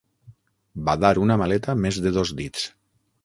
Badar una maleta més de dos dits.